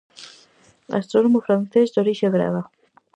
Astrónomo francés de orixe grega.